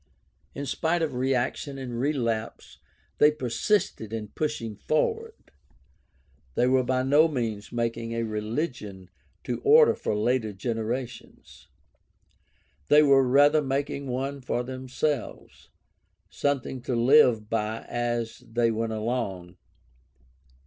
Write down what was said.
In spite of reaction and relapse they persisted in pushing forward. They were by no means making a religion to order for later generations; they were rather making one for themselves, something to live by as they went along.